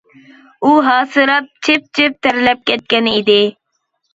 ئۇ ھاسىراپ، چىپ-چىپ تەرلەپ كەتكەن ئىدى.